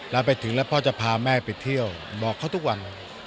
เราไปถึงแล้วพ่อจะพาแม่ไปเที่ยวบอกเขาทุกวัน